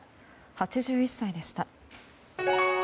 ８１歳でした。